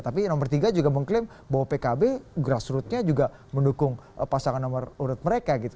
tapi nomor tiga juga mengklaim bahwa pkb grassrootnya juga mendukung pasangan nomor urut mereka gitu